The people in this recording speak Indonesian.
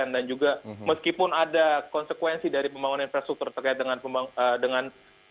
dan juga meskipun ada konsekuensi dari pembangunan infrastruktur terkait dengan